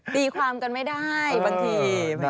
ตีความกันไม่ได้บางที